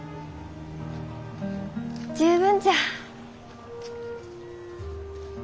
十分じゃ。